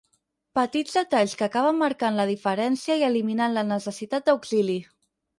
Petits detalls que acaben marcant la diferència i eliminant la necessitat d'auxili.